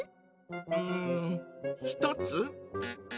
うん１つ？